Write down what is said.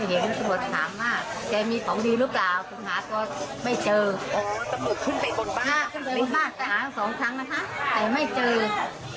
เลยตำรวจถามฉันว่านี่ยายยายน่ะอย่าสุดโกรธฉันไม่สุดหรอก